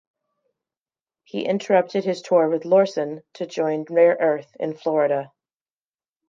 He interrupted his tour with Laursen to join Rare Earth in Florida.